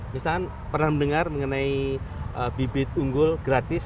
misalnya pernah mendengar mengenai bibit unggul gratis